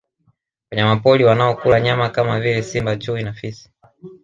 Wanyamapori wanao kula nyama kama vile simba chui na fisi